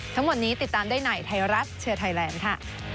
ทั้งหมดนี้ติดตามได้ในไทยรัฐเชียร์ไทยแลนด์ค่ะ